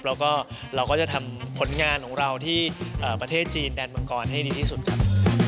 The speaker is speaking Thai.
แล้วก็เราก็จะทำผลงานของเราที่ประเทศจีนแดนมังกรให้ดีที่สุดครับ